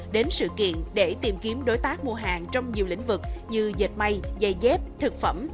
đến sự kiện để tìm kiếm đối tác mua hàng trong nhiều lĩnh vực như dệt may dây dép thực phẩm